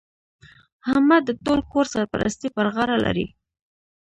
احمد د ټول کور سرپرستي پر غاړه لري.